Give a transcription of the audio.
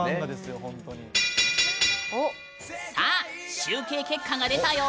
集計結果が出たよ。